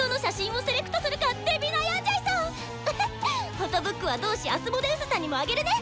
フォトブックは同志アスモデウスさんにもあげるね！